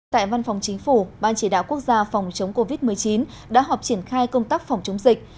tại văn phòng chính phủ ban chỉ đạo quốc gia phòng chống covid một mươi chín đã họp triển khai công tác phòng chống dịch